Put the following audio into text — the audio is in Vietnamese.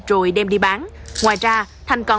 rồi đem đi bán